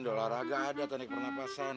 dola raga ada teknik pernapasan